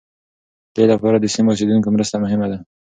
دې لپاره د سیمو اوسېدونکو مرسته مهمه ده.